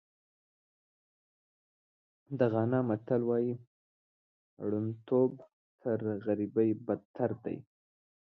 د غانا متل وایي ړوندتوب تر غریبۍ بدتر دی.